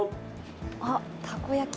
あっ、たこ焼き。